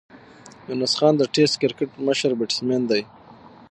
یونس خان د ټېسټ کرکټ مشر بېټسمېن دئ.